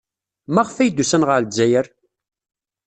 Maɣef ay d-usan ɣer Lezzayer?